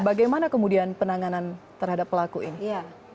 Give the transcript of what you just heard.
bagaimana kemudian penanganan terhadap pelaku ini